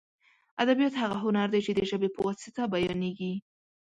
ادبیات هغه هنر دی چې د ژبې په واسطه بیانېږي.